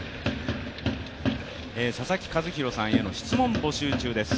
佐々木主浩さんへの質問募集中です。